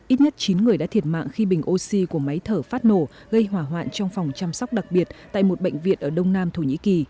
ít nhất chín người đã thiệt mạng khi bình oxy của máy thở phát nổ gây hỏa hoạn trong phòng chăm sóc đặc biệt tại một bệnh viện ở đông nam thổ nhĩ kỳ